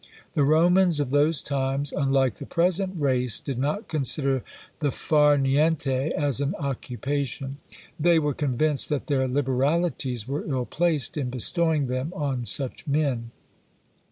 The Romans of those times, unlike the present race, did not consider the far niente as an occupation; they were convinced that their liberalities were ill placed in bestowing them on such men.